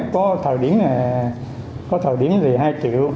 có thời điểm thì hai triệu